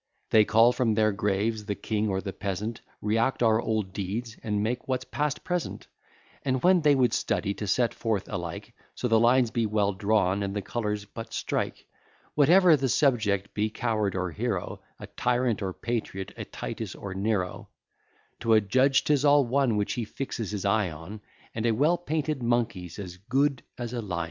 They call from their graves the king, or the peasant; Re act our old deeds, and make what's past present: And when they would study to set forth alike, So the lines be well drawn, and the colours but strike, Whatever the subject be, coward or hero, A tyrant or patriot, a Titus or Nero; To a judge 'tis all one which he fixes his eye on, And a well painted monkey's as good as a lion.